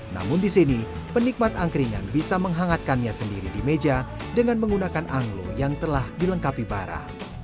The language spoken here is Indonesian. namun di sini penikmat angkringan bisa menghangatkannya sendiri di meja dengan menggunakan anglo yang telah dilengkapi bara